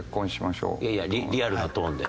いやいやリアルなトーンで。